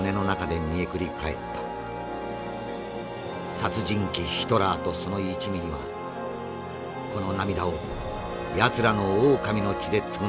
殺人鬼ヒトラーとその一味にはこの涙をやつらのオオカミの血で償ってもらう。